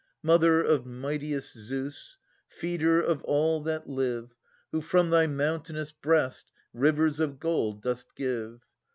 Mother of mightiest Zeus, Feeder of all that live, Who from, thy mountainous breast Rivers of gold dost give